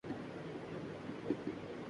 corona virus سے ماہ تک لڑنے والا اداکار چل بسا